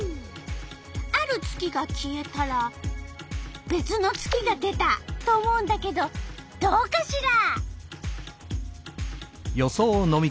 ある月が消えたらべつの月が出た！と思うんだけどどうかしら？